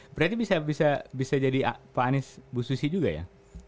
berarti bisa jadi pak anies bu susi juga ya